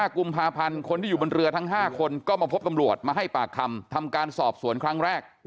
กุมภาพันธ์คนที่อยู่บนเรือทั้ง๕คนก็มาพบตำรวจมาให้ปากคำทำการสอบสวนครั้งแรก